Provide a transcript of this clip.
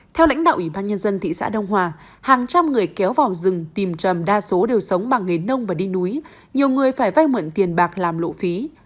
theo lãnh đạo ủy ban nhân dân thị xã đông hòa hàng trăm người kéo vào rừng tìm chầm đa số đều sống bằng nghề nông và đi núi nhiều người phải vay mượn tiền bạc làm lộ phí